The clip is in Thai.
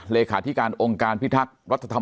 เลขาธิการองค์การพิทักษ์รัฐธรรมน